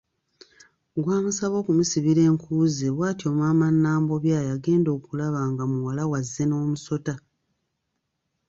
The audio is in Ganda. Gwamusaba okumusibira enku ze, bwatyo Maama Nambobya yagenda okulaba nga muwala we azze n’omusota.